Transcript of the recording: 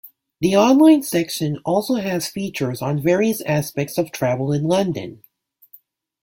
The online section also has features on various aspects of travel in London.